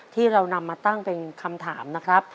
ที่เรานำมาตั้งเป็นคำถามนะครับ